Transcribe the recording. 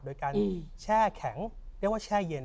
โดยการแช่แข็งเรียกว่าแช่เย็น